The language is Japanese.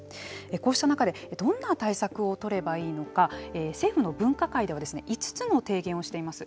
こうした中でどんな対策を取ればいいのか政府の分科会では５つの提言をしています。